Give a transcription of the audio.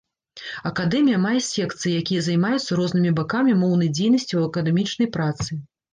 Акадэмія мае секцыі, якія займаюцца рознымі бакамі моўнай дзейнасці ў акадэмічнай працы.